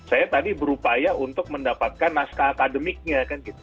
saya tadi berupaya untuk mendapatkan naskah akademiknya